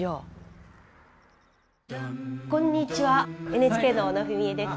ＮＨＫの小野文惠です。